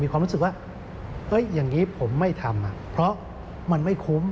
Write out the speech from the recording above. ความรู้สึกว่าเฮ้ยอย่างนี้ผมไม่ทำเพราะมันไม่คุ้ม